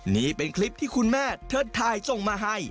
นี่เป็นคลิปที่คุณแม่เธอถ่ายส่งมาให้